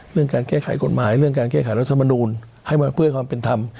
เรื่องการแก้ไขกฎหมายเรื่องการแก้ไขรัฐมนูลให้มาเพื่อให้ความเป็นธรรม